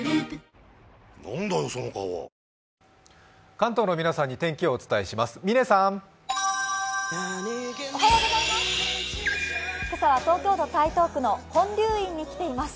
関東の皆さんに天気をお伝えします。